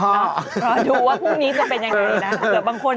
รอดูว่าพรุ่งนี้จะเป็นอย่างไรนะ